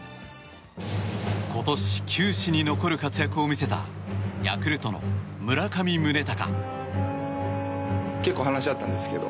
今年、球史に残る活躍を見せたヤクルトの村上宗隆。